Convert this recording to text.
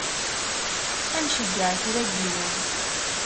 Ad nceyyeɛ kra n yiwen.